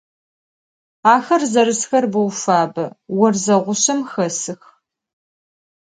Axer zerısxer bou fabe, vorze ğuşsem xesıx.